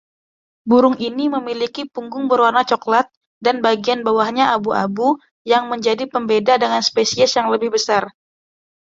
Burung ini memiliki punggung berwarna cokelat dan bagian bawahnya abu-abu yang menjadi pembeda dengan spesies yang lebih besar.